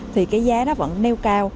thì cái giá nó vẫn nêu cao